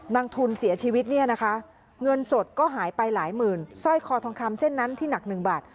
นางทุนเสียชีวิตเนี่ยนะคะเงินสดก็หายไปหลายหมื่นสร้อยคอทองคำเส้นนั้นที่หนักหนึ่งบาท